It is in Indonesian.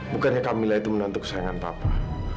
bukannya kamila itu menantu kesayangan papa